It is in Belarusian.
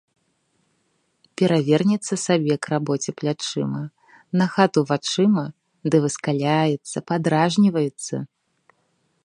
Перавернецца сабе к рабоце плячыма, на хату вачыма ды выскаляецца, падражніваецца.